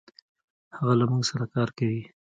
هغه له مونږ سره کار کوي.